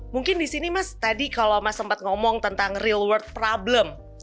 mungkin disini mas tadi kalo mas sempet ngomong tentang real world problem